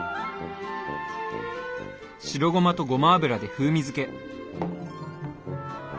白ごまとごま油で風味付け。